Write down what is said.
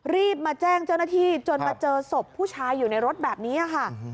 รีบมาแจ้งเจ้าหน้าที่จนมาเจอศพผู้ชายอยู่ในรถแบบนี้ค่ะ